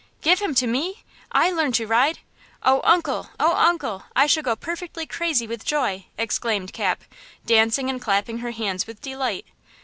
"Give him to me! I learn to ride! Oh, uncle! Oh, uncle! I shall go perfectly crazy with joy!" exclaimed Cap, dancing and clapping her hands with delight.